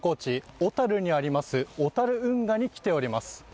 小樽にあります、小樽運河にきております。